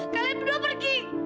kalian berdua pergi